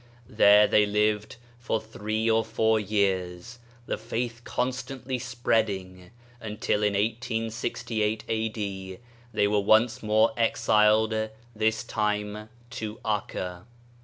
There they lived for three or four years — the faith constantly spreading — until in 1868 A.D. they were once more exiled, this time to Akka.